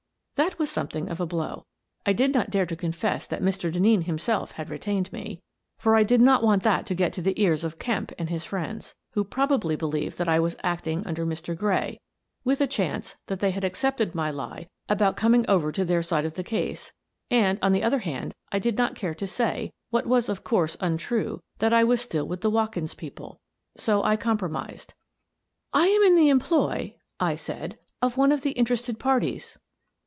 " That was something of a blow. I did not dare to confess that Mr. Denneen himself had retained me, for I did not want that to get to the ears of Kemp and his friends, — who probably believed that I was acting under Mr. Gray, with a chance that they had accepted my lie about coming over to their % I Meet Mrs. Maria Bladesdell 201 side of the case, — and, on the other hand, I did not care to say — what was, of course, untrue — that I was still with the Watkins people. So I compro mised. " I am in the employ," I said, " of one of the interested parties."